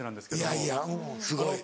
いやいやすごい。